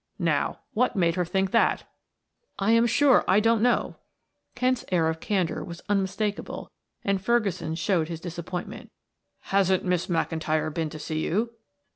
Now, what made her think that?" "I am sure I don't know" Kent's air of candor was unmistakable and Ferguson showed his disappointment. "Hasn't Miss McIntyre been to see you?"